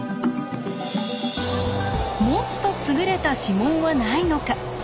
もっと優れた指紋はないのか？